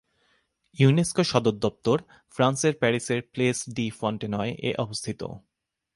ইউনেস্কোর সদর দপ্তর ফ্রান্সের প্যারিসের প্লেস ডি ফন্টেনয় এ অবস্থিত।